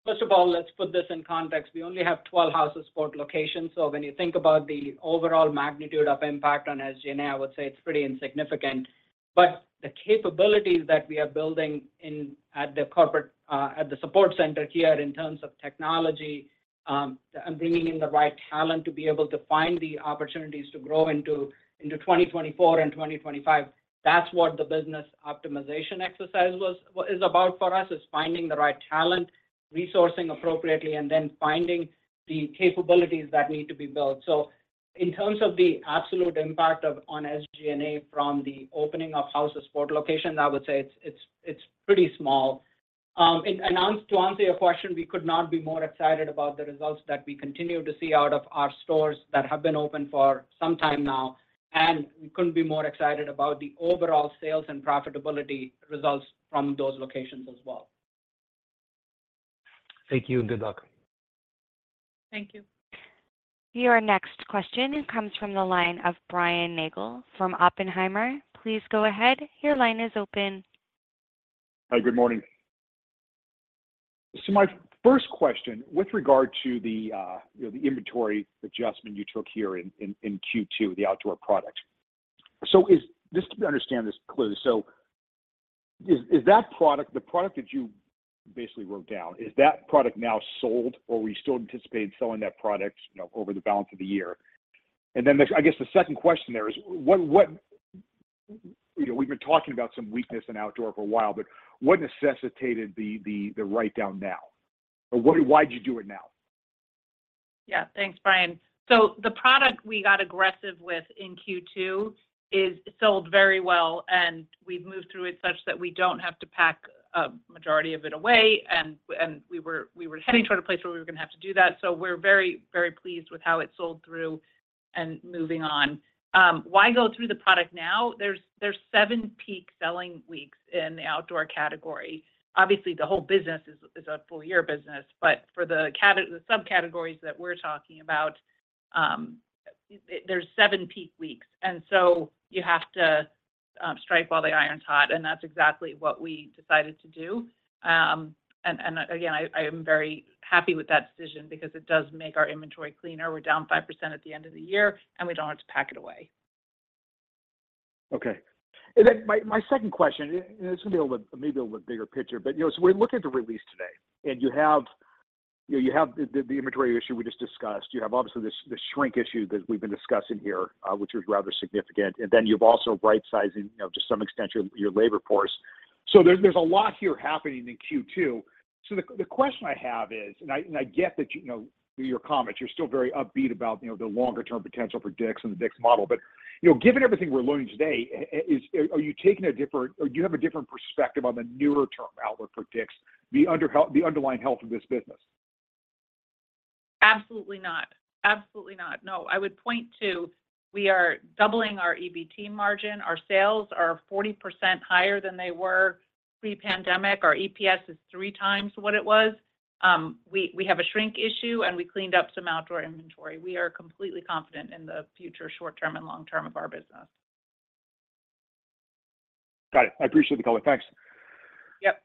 First of all, let's put this in context. We only have 12 House of Sport locations, so when you think about the overall magnitude of impact on SG&A, I would say it's pretty insignificant. The capabilities that we are building in-- at the corporate-- at the support center here in terms of technology, and bringing in the right talent to be able to find the opportunities to grow into, into 2024 and 2025, that's what the business optimization exercise was-- is about for us, is finding the right talent, resourcing appropriately, and then finding the capabilities that need to be built. In terms of the absolute impact of, on SG&A from the opening of House of Sport locations, I would say it's, it's, it's pretty small. To answer your question, we could not be more excited about the results that we continue to see out of our stores that have been open for some time now, and we couldn't be more excited about the overall sales and profitability results from those locations as well. Thank you, and good luck. Thank you. Your next question comes from the line of Brian Nagel from Oppenheimer. Please go ahead. Your line is open. Hi, good morning. My first question, with regard to the, you know, the inventory adjustment you took here in Q2, the outdoor product. Just to understand this clearly, so is that product, the product that you basically wrote down, is that product now sold, or will you still anticipate selling that product, you know, over the balance of the year? Then the, I guess, the second question there is, what, you know, we've been talking about some weakness in outdoor for a while, but what necessitated the write-down now? Why'd you do it now? Yeah. Thanks, Brian. The product we got aggressive with in Q2 is sold very well, and we've moved through it such that we don't have to pack a majority of it away, and we were, we were gonna have to do that. We're very, very pleased with how it sold through and moving on. Why go through the product now? There's seven peak selling weeks in the outdoor category. Obviously, the whole business is, is a full year business, but for the subcategories that we're talking about, there's seven peak weeks, and so you have to strike while the iron's hot, and that's exactly what we decided to do. Again, I, I am very happy with that decision because it does make our inventory cleaner. We're down 5% at the end of the year, and we don't have to pack it away. Okay. Then my, my second question, and it's gonna be a little bit, maybe a little bit bigger picture. You know, we're looking at the release today, and you have, you know, you have the, the, the inventory issue we just discussed. You have obviously this, this shrink issue that we've been discussing here, which is rather significant. Then you've also right-sizing, you know, to some extent, your, your labor force. There's, there's a lot here happening in Q2. The, the question I have is, and I, and I get that, you know, through your comments, you're still very upbeat about, you know, the longer term potential for DICK'S and the DICK'S model. You know, given everything we're learning today, are you taking a different or do you have a different perspective on the nearer term outlook for DICK'S, the underlying health of this business? Absolutely not. Absolutely not. No, I would point to, we are doubling our EBT margin. Our sales are 40% higher than they were pre-pandemic. Our EPS is 3x what it was. We, we have a shrink issue, and we cleaned up some outdoor inventory. We are completely confident in the future, short term and long term of our business. Got it. I appreciate the call. Thanks. Yep.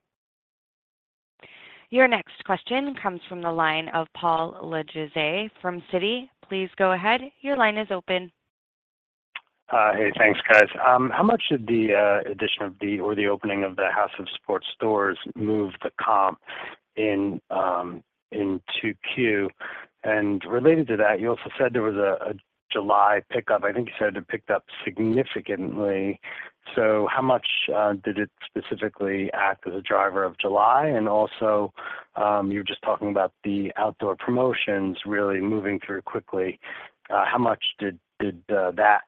Your next question comes from the line of Paul Lejuez from Citigroup. Please go ahead. Your line is open. Hey, thanks, guys. How much did the addition of the or the opening of the House of Sport stores move the comp in Q2? Related to that, you also said there was a July pickup. I think you said it picked up significantly. How much did it specifically act as a driver of July? Also, you were just talking about the outdoor promotions really moving through quickly. How much did that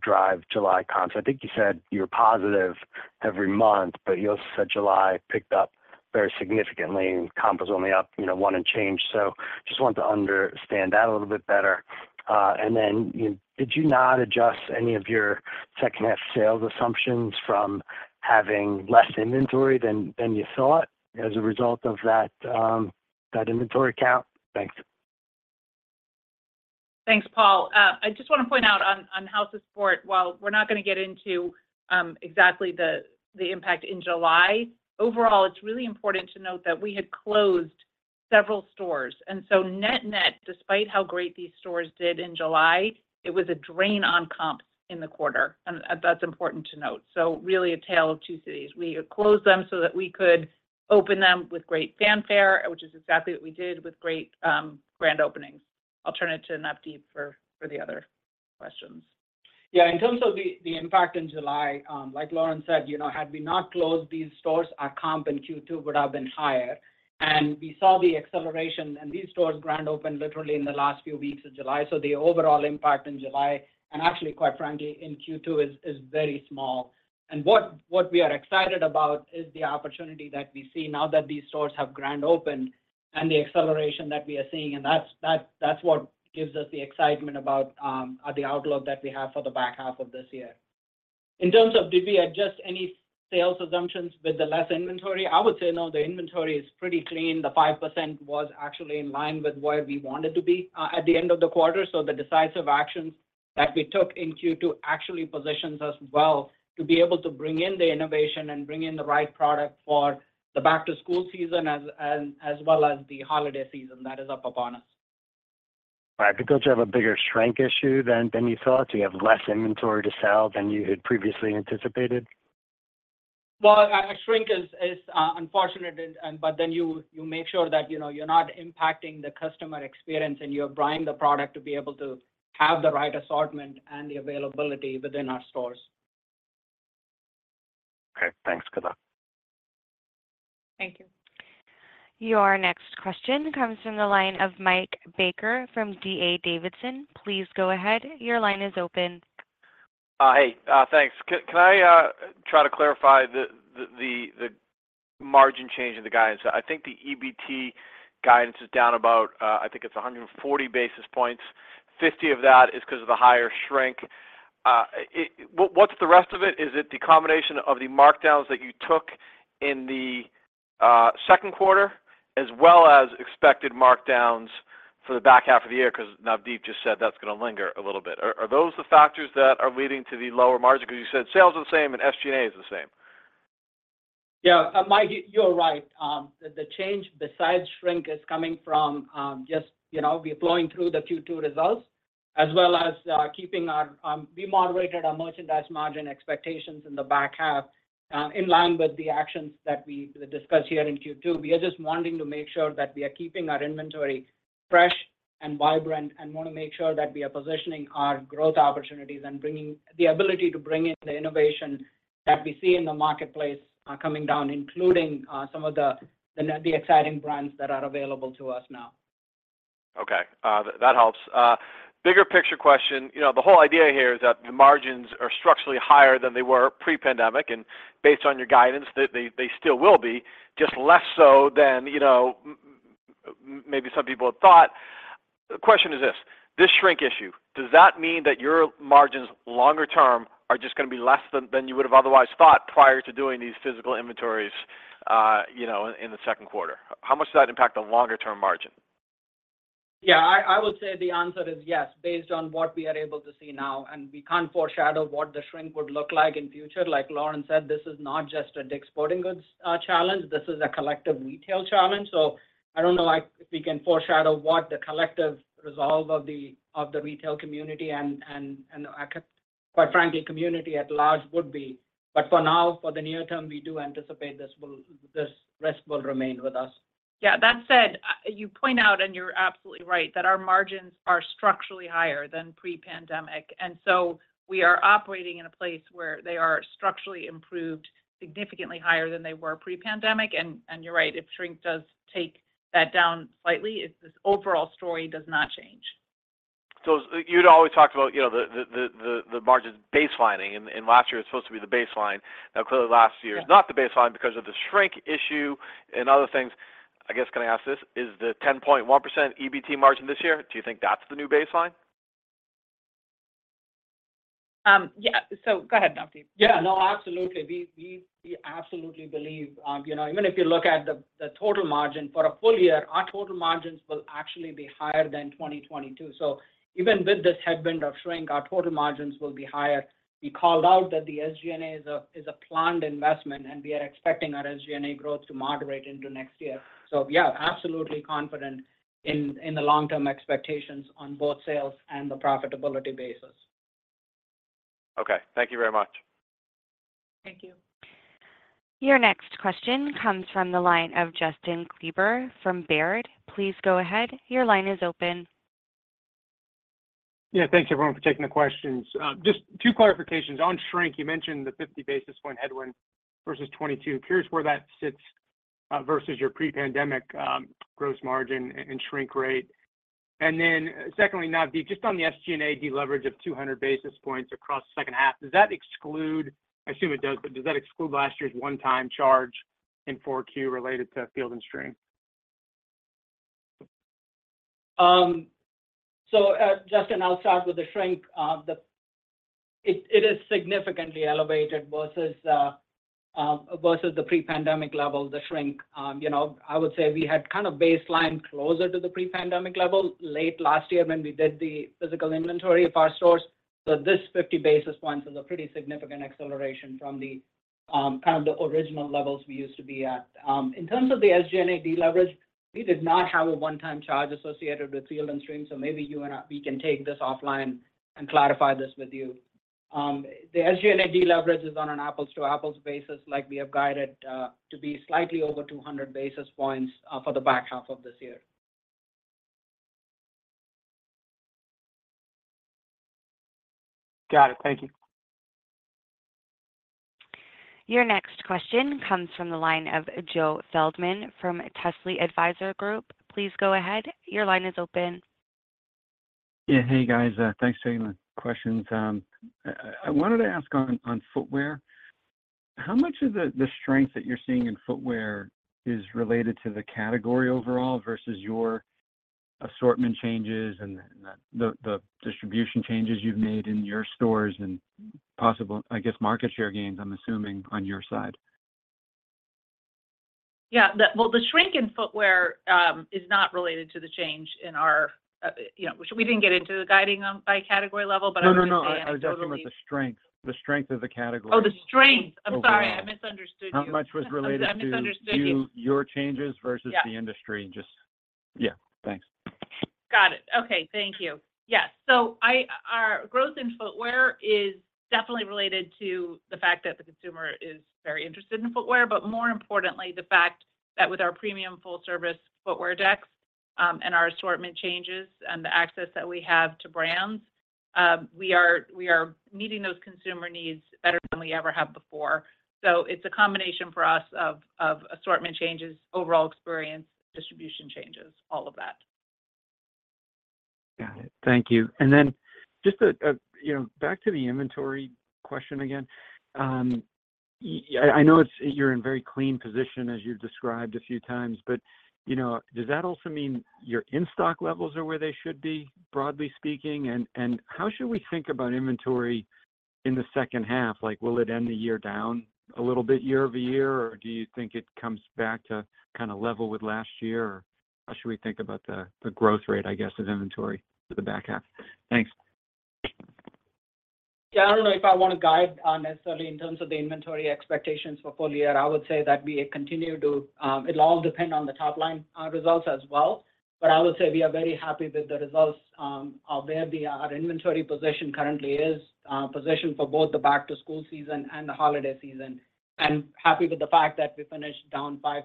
drive July comps? I think you said you're positive every month, but you also said July picked up very significantly and comp was only up, you know, one and change. Just wanted to understand that a little bit better. Did you not adjust any of your second-half sales assumptions from having less inventory than, than you thought as a result of that inventory count? Thanks. Thanks, Paul. I just wanna point out on, on House of Sport, while we're not gonna get into exactly the, the impact in July. Overall, it's really important to note that we had closed several stores, so net-net, despite how great these stores did in July, it was a drain on comp in the quarter, that's important to note. Really, a tale of two cities. We had closed them so that we could open them with great fanfare, which is exactly what we did with great grand openings. I'll turn it to Navdeep for, for the other questions. Yeah, in terms of the, the impact in July, like Lauren said, you know, had we not closed these stores, our comp in Q2 would have been higher. We saw the acceleration, and these stores grand-opened literally in the last few weeks of July. The overall impact in July, and actually, quite frankly, in Q2 is, is very small. What, what we are excited about is the opportunity that we see now that these stores have grand-opened, and the acceleration that we are seeing, and that's, that, that's what gives us the excitement about the outlook that we have for the back half of this year. In terms of, did we adjust any sales assumptions with the less inventory? I would say no, the inventory is pretty clean. The 5% was actually in line with where we wanted to be at the end of the quarter. The decisive actions that we took in Q2 actually positions us well to be able to bring in the innovation and bring in the right product for the back-to-school season, as well as the holiday season that is up upon us. Right. Did you have a bigger shrink issue than, than you thought? Do you have less inventory to sell than you had previously anticipated? Shrink is, is, unfortunate, and, but then you, you make sure that, you know, you're not impacting the customer experience, and you're buying the product to be able to have the right assortment and the availability within our stores. Okay, thanks, good luck. Thank you. Your next question comes from the line of Michael Baker from D.A. Davidson. Please go ahead. Your line is open. Hey, thanks. Can I try to clarify the margin change in the guidance? I think the EBT guidance is down about, I think it's 140 basis points. 50 of that is 'cause of the higher shrink. What's the rest of it? Is it the combination of the markdowns that you took in the second quarter, as well as expected markdowns for the back half of the year? 'Cause Navdeep just said that's gonna linger a little bit. Are those the factors that are leading to the lower margin? 'Cause you said sales are the same and SG&A is the same. Yeah, Mike, you're right. The change besides shrink is coming from, just, you know, we're blowing through the Q2 results, as well as keeping our, we moderated our merchandise margin expectations in the back half, in line with the actions that we discussed here in Q2. We are just wanting to make sure that we are keeping our inventory fresh and vibrant, and wanna make sure that we are positioning our growth opportunities and bringing the ability to bring in the innovation that we see in the marketplace, coming down, including some of the exciting brands that are available to us now. Okay, that helps. Bigger picture question, you know, the whole idea here is that the margins are structurally higher than they were pre-pandemic. Based on your guidance, they, they still will be just less so than, you know, maybe some people had thought. The question is this, this shrink issue, does that mean that your margins longer term are just gonna be less than, than you would have otherwise thought prior to doing these physical inventories, you know, in the second quarter? How much does that impact the longer term margin? Yeah, I, I would say the answer is yes, based on what we are able to see now, and we can't foreshadow what the shrink would look like in future. Like Lauren said, this is not just a DICK'S Sporting Goods challenge. This is a collective retail challenge. I don't know, like, if we can foreshadow what the collective resolve of the, of the retail community and, and, and quite frankly, community at large would be. For now, for the near term, we do anticipate this risk will remain with us. Yeah, that said, you point out, and you're absolutely right, that our margins are structurally higher than pre-pandemic. So we are operating in a place where they are structurally improved, significantly higher than they were pre-pandemic. You're right, if shrink does take that down slightly, this overall story does not change. You'd always talked about, you know, the, the, the, the, the margins baselining, and, and last year was supposed to be the baseline. Now, clearly, last year. Yeah. Is not the baseline because of the shrink issue and other things. I guess, can I ask this? Is the 10.1% EBT margin this year, do you think that's the new baseline? Yeah. Go ahead, Navdeep. Yeah, no, absolutely. We, we, we absolutely believe, you know, even if you look at the, the total margin for a full year, our total margins will actually be higher than 2022. Even with this headwind of shrink, our total margins will be higher. We called out that the SG&A is a, is a planned investment. We are expecting our SG&A growth to moderate into next year. Yeah, absolutely confident in, in the long-term expectations on both sales and the profitability basis. Okay, thank you very much. Thank you. Your next question comes from the line of Justin Kleber from Baird. Please go ahead. Your line is open. Yeah, thanks, everyone, for taking the questions. Just two clarifications. On shrink, you mentioned the 50 basis point headwind versus 2022. Curious where that sits versus your pre-pandemic gross margin and shrink rate. Secondly, Navdeep, just on the SG&A deleverage of 200 basis points across the second-half, does that exclude, I assume it does, but does that exclude last year's one-time charge in 4Q related to Field & Stream? Justin, I'll start with the shrink. It is significantly elevated versus the pre-pandemic level, the shrink. You know, I would say we had kind of baseline closer to the pre-pandemic level late last year when we did the physical inventory of our stores. This 50 basis points is a pretty significant acceleration from the kind of the original levels we used to be at. In terms of the SG&A deleverage, we did not have a one-time charge associated with Field & Stream, so maybe you and I, we can take this offline and clarify this with you. The SG&A deleverage is on an apples-to-apples basis, like we have guided to be slightly over 200 basis points for the back half of this year. Got it. Thank you. Your next question comes from the line of Joseph Feldman from Telsey Advisory Group. Please go ahead. Your line is open. Yeah. Hey, guys. Thanks for taking the questions. I wanted to ask on, on footwear. How much of the, the strength that you're seeing in footwear is related to the category overall, versus your assortment changes and the, the, the distribution changes you've made in your stores, and possible, I guess, market share gains, I'm assuming, on your side? Yeah, the. Well, the shrink in footwear, is not related to the change in our, you know, which we didn't get into the guiding, by category level, but I would say. No, no, no. I was talking about the strength, the strength of the category. Oh, the strength. Overall. I'm sorry, I misunderstood you. How much was related to- I misunderstood you. Your changes versus. Yeah the industry? Just, yeah. Thanks. Got it. Okay, thank you. Yes, our growth in footwear is definitely related to the fact that the consumer is very interested in footwear, but more importantly, the fact that with our premium full-service footwear decks, and our assortment changes, and the access that we have to brands, we are, we are meeting those consumer needs better than we ever have before. It's a combination for us of, of assortment changes, overall experience, distribution changes, all of that. Got it. Thank you. Then just a, you know, back to the inventory question again. I know it's you're in very clean position, as you've described a few times, but, you know, does that also mean your in-stock levels are where they should be, broadly speaking? How should we think about inventory in the second-half? Like, will it end the year down a little bit year-over-year, or do you think it comes back to kinda level with last year? How should we think about the, the growth rate, I guess, of inventory for the back half? Thanks. Yeah, I don't know if I want to guide, necessarily in terms of the inventory expectations for full year. I would say that we continue to. It'll all depend on the top line, results as well. I would say we are very happy with the results, of where the, our inventory position currently is, positioned for both the back-to-school season and the holiday season. Happy with the fact that we finished down 5%,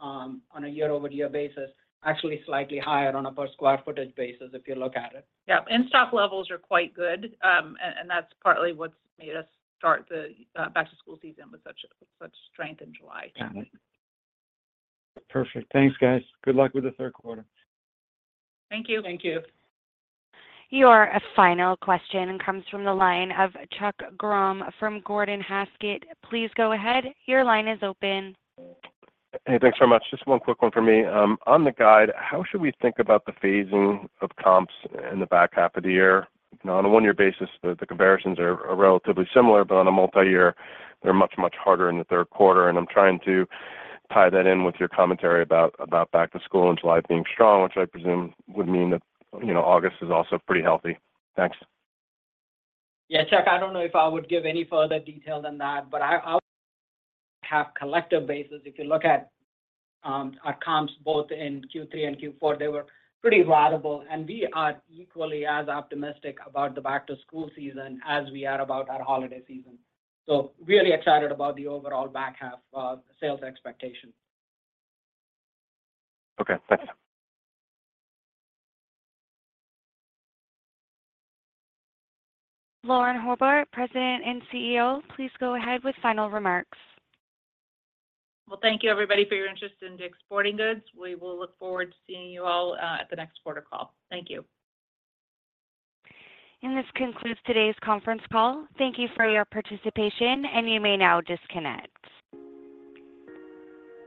on a year-over-year basis, actually slightly higher on a per square footage basis, if you look at it. Yeah. In-stock levels are quite good, and that's partly what's made us start the back-to-school season with such, such strength in July. Got it. Perfect. Thanks, guys. Good luck with the third quarter. Thank you. Thank you. Your final question comes from the line of Chuck Grom from Gordon Haskett. Please go ahead. Your line is open. Hey, thanks so much. Just one quick one for me. On the guide, how should we think about the phasing of comps in the back half of the year? You know, on a one-year basis, the, the comparisons are, are relatively similar, but on a multi-year, they're much, much harder in the third quarter, and I'm trying to tie that in with your commentary about, about back to school and July being strong, which I presume would mean that, you know, August is also pretty healthy. Thanks. Yeah, Chuck, I don't know if I would give any further detail than that, but I, I would have collective basis. If you look at our comps, both in Q3 and Q4, they were pretty viable, and we are equally as optimistic about the back-to-school season as we are about our holiday season. Really excited about the overall back half of sales expectation. Okay, thanks. Lauren Hobart, President and CEO, please go ahead with final remarks. Well, thank you, everybody, for your interest in DICK'S Sporting Goods. We will look forward to seeing you all at the next quarter call. Thank you. This concludes today's conference call. Thank you for your participation, and you may now disconnect.